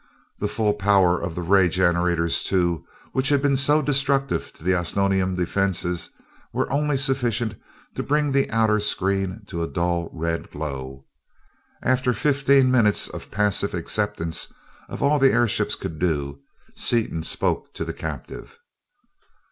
The full power of the ray generators, too, which had been so destructive to the Osnomian defenses, were only sufficient to bring the outer screen to a dull red glow. After fifteen minutes of passive acceptance of all the airships could do, Seaton spoke to the captive.